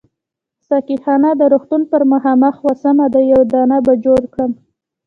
ساقي خانه د روغتون پر مخامخ وه، سمه ده یو دانه به جوړ کړم.